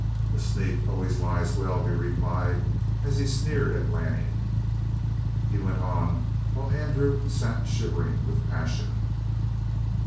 "A sneak always lies well," he replied, as he sneered at Lanning. He went on, while Andrew sat shivering with passion.